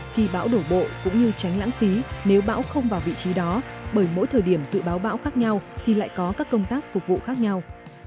khi bão đổ bộ cũng như tránh lãng phí nếu bão không vào vị trí đó bởi mỗi thời điểm dự báo bão khác nhau thì lại có các công tác phục vụ khác nhau